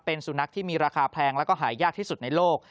เป็นสุนัขที่มีราคาแพงแล้วก็หายากที่สุดในโลก